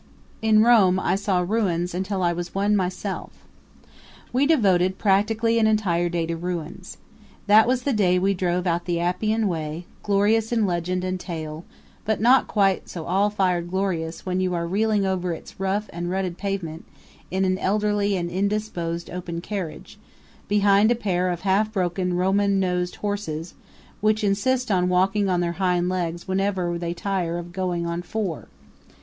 In Rome I saw ruins until I was one myself. We devoted practically an entire day to ruins. That was the day we drove out the Appian Way, glorious in legend and tale, but not quite so all fired glorious when you are reeling over its rough and rutted pavement in an elderly and indisposed open carriage, behind a pair of half broken Roman nosed horses which insist on walking on their hind legs whenever they tire of going on four.